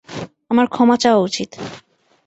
আমার ক্ষমা চাওয়া উচিত।